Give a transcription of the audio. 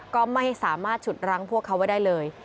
ก็ไม่สามารถฉุดรั้งพวกเขาไว้ได้เลย